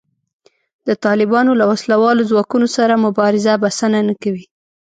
د طالبانو له وسله والو ځواکونو سره مبارزه بسنه نه کوي